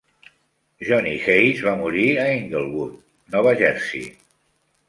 Johnny Hayes va morir a Englewood, Nova Jersey.